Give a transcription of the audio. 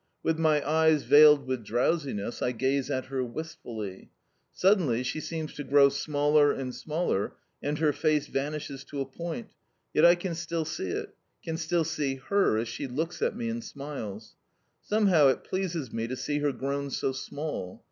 With my eyes veiled with drowsiness I gaze at her wistfully. Suddenly she seems to grow smaller and smaller, and her face vanishes to a point; yet I can still see it can still see her as she looks at me and smiles. Somehow it pleases me to see her grown so small.